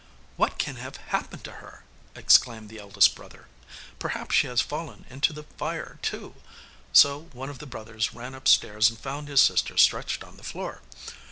'What can have happened to her!' exclaimed the eldest brother. 'Perhaps she has fallen into the fire, too.' So one of the others ran upstairs and found his sister stretched on the floor.